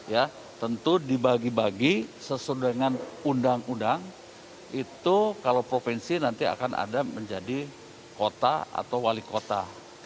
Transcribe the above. jadi tentu dibagi bagi sesudah dengan undang undang itu kalau provinsi nanti akan ada menjadi kota atau wali kota